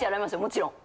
もちろん。